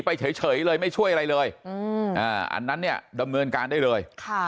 ไปเฉยเลยไม่ช่วยอะไรเลยอันนั้นเนี่ยดำเนินการได้เลย